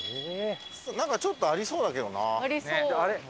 なんかちょっとありそうだけどな。